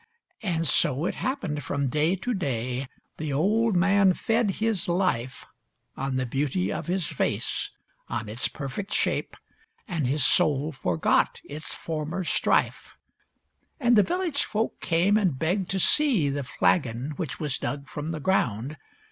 And so it happened from day to day. The old man fed his life On the beauty of his vase, on its perfect shape. And his soul forgot its former strife. And the village folk came and begged to see The flagon which was dug from the ground.